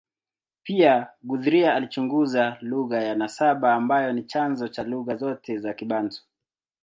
Pia, Guthrie alichunguza lugha ya nasaba ambayo ni chanzo cha lugha zote za Kibantu.